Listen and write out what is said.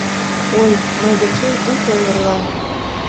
Ой, мый дечем ит ойырлал;